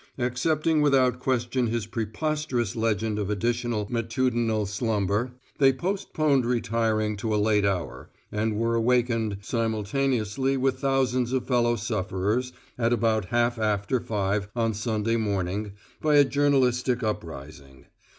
Accepting without question his preposterous legend of additional matutinal slumber, they postponed retiring to a late hour, and were awakened simultaneously with thousands of fellow sufferers at about half after five on Sunday morning, by a journalistic uprising.